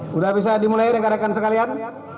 sudah bisa dimulai rekan rekan sekalian